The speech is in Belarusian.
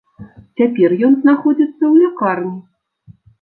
Цяпер ён знаходзіцца ў лякарні.